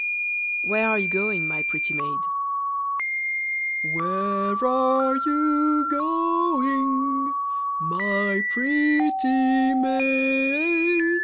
[Illustration: WHERE ARE YOU GOING, MY PRETTY MAID?] Where are you going, my pretty maid?